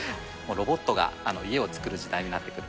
ロボットが家を造る時代になってくる。